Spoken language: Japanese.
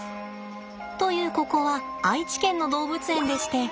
というここは愛知県の動物園でして。